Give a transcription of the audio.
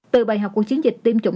từ bài học của chiến dịch tiêm chủng